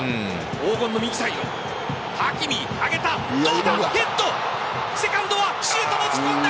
黄金の右サイドハキミ、上げたどうだ。